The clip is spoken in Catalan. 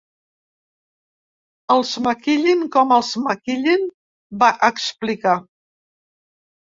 Els maquillin com els maquillin, va explicar.